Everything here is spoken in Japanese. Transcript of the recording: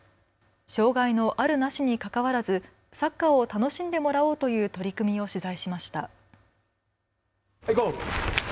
障害のあるなしにかかわらずサッカーを楽しんでもらおうという取り組みを取材しました。